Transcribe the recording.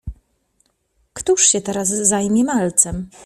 Któż się teraz zajmie malcem?